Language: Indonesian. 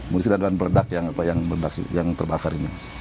munisi dan berdak yang terbakar ini